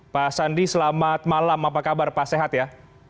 pak sandi selamat malam apa kabar pak sehat ya